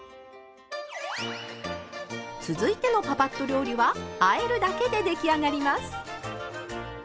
続いてのパパッと料理はあえるだけで出来上がります。